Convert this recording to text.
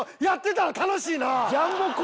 やってたら楽しいな‼